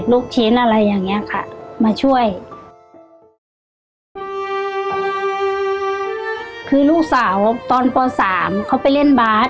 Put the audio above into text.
ลูกสาวตอนป๓เขาไปเล่นบาท